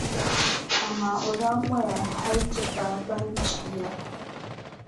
Amaa o daa mɔya pam hali ti paai Banchi ya.